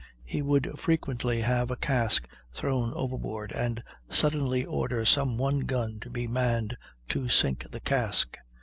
He would frequently have a cask thrown overboard and suddenly order some one gun to be manned to sink the cask.